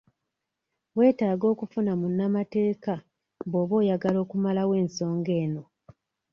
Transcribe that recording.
Wetaaga okufuna munnamateeka bwoba oyagala okumalawo ensonga eno.